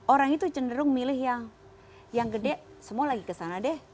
orang itu cenderung milih yang gede semua lagi kesana deh